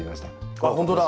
あっ本当だ！